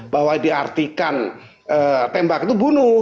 bahwa diartikan tembak itu bunuh